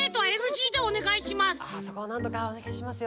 ああそこをなんとかおねがいしますよ。